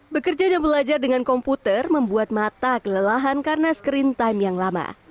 bekerja dan belajar dengan komputer membuat mata kelelahan karena screen time yang lama